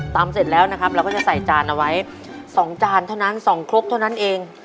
เสร็จแล้วนะครับเราก็จะใส่จานเอาไว้๒จานเท่านั้น๒ครกเท่านั้นเอง